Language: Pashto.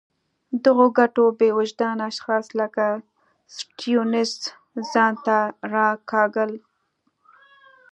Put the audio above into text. دغو ګټو بې وجدان اشخاص لکه سټیونز ځان ته راکاږل.